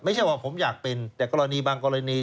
ไม่ใช่ว่าผมอยากเป็นแต่กรณีบางกรณี